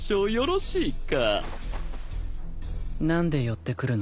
何で寄ってくるの？